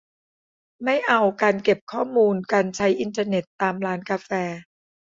ไม่เอาการเก็บข้อมูลการใช้อินเทอร์เน็ตตามร้านกาแฟ